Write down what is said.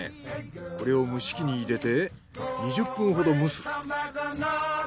これを蒸し器に入れて２０分ほど蒸す。